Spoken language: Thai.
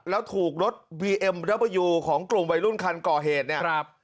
แล้วถูกรถบีเอ็มระเบอร์ยูของกลุ่มวัยรุ่นคันก่อเหตุเนี่ยครับ